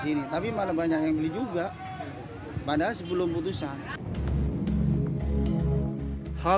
yang adalah rencana rencananya itu ya